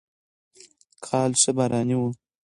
کال ښه باراني و.